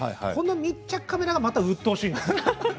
密着カメラがうっとうしいんですよ。